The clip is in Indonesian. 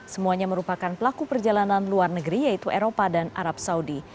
semuanya merupakan pelaku perjalanan luar negeri yaitu eropa dan arab saudi